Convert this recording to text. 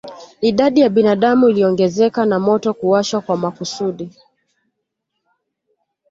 Idadi ya binadamu iliongezeka na moto kuwashwa kwa makusudi